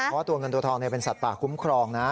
เพราะว่าตัวเงินตัวทองเป็นสัตว์ป่าคุ้มครองนะ